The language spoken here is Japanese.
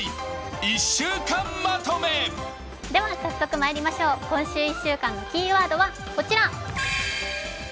早速まいりましょう、今週１週間のキーワードはこちら。